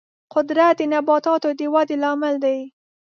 قدرت د نباتاتو د ودې لامل دی.